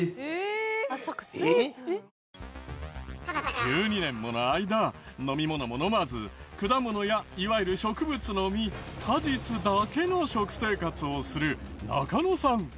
１２年もの間飲み物も飲まず果物やいわゆる植物の実果実だけの食生活をする中野さん。